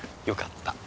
よかった